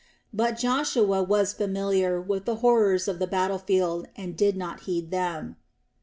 But Joshua was familiar with the horrors of the battle field and did not heed them.